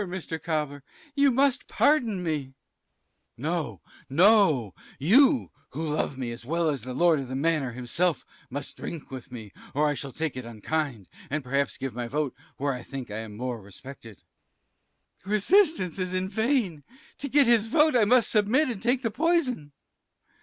_ No, no; you, who love me as well as the lord of the manor himself, must drink with me, or I shall take it unkind, and perhaps give my vote where I think I am more respected. Sir B. Resistance is in vain to get his vote I must submit and take the poison.